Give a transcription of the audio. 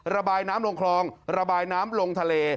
ระบายน้ำลงคลองระบายน้ำลงทะเล